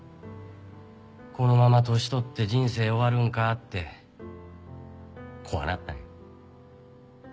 このまま年取って人生終わるんかって怖なったんや。